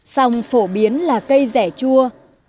sông phổ biến là cây rẻ chua